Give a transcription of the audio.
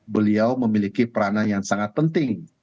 beliau memiliki peranan yang sangat penting